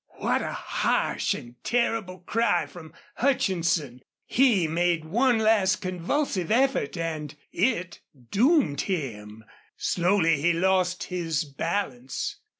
What a harsh and terrible cry from Hutchinson! He made one last convulsive effort and it doomed him. Slowly he lost his balance.